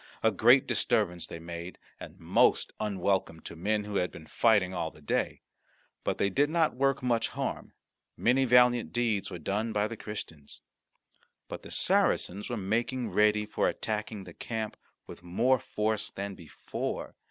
A great disturbance they made, and most unwelcome to men who had been fighting all the day. But they did not work much harm. Many valiant deeds were done by the Christians. But the Saracens were making ready for attacking the camp with more force than before.